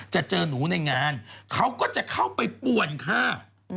จะเจอหนูในงานเขาก็จะเข้าไปป่วนค่ะ